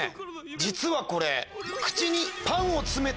実はこれ。